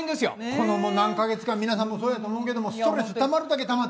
この何か月間皆さんもそうやと思うけどもストレスたまるだけたまってる。